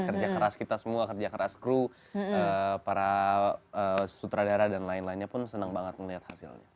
kerja keras kita semua kerja keras kru para sutradara dan lain lainnya pun senang banget ngelihat hasilnya